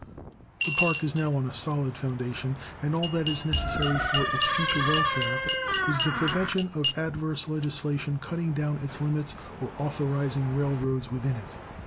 The Park is now on a solid foundation, and all that is necessary for its future welfare is the prevention of adverse legislation cutting down its limits or authorizing railroads within it.